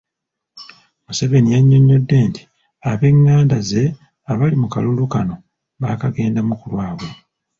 Museveni yannyonnyodde nti ab'enganda ze abali mu kalulu kano bakagendamu ku lwabwe.